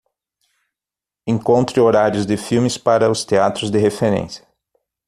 Encontre horários de filmes para os teatros de referência.